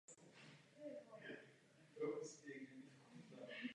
Alois Pražák byl opětovně zvolen za Uherské Hradiště.